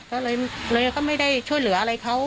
ก็เลยก็ไม่ได้ช่วยเหลืออะไรเขา